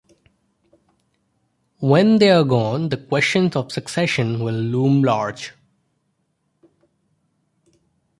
When they are gone, the question of succession will loom large.